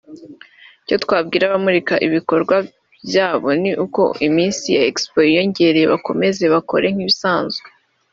Icyo twabwira abamurika ibikorwa byabo ni uko iminsi ya Expo yiyongereye bakomeze bakore nk’ibisanzwe